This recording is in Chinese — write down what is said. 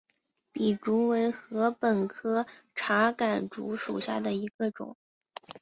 笔竹为禾本科茶秆竹属下的一个种。